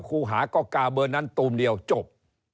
ครูหาก็กาเบอร์นั้นตูมเดียวจบ